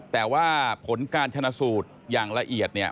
แต่ว่าผลการชนะสูตรอย่างละเอียดเนี่ย